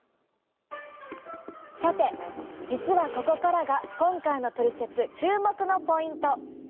さて実はここからが今回のトリセツ注目のポイント。